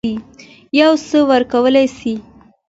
یو څه ورکولای سي.